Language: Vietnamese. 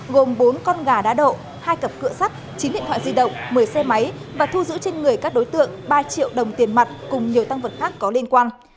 gồm bốn con gà đá độ hai cặp cửa sắt chín điện thoại di động một mươi xe máy và thu giữ trên người các đối tượng ba triệu đồng tiền mặt cùng nhiều tăng vật khác có liên quan